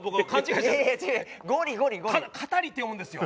「かたり」って読むんですよ。